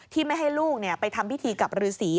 ที่ไม่ให้ลูกเนี่ยไปทำพิธีกับฤษี